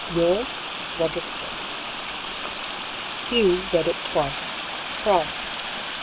"Yours, Eoderick Pym." Hugh read it twice, thrice.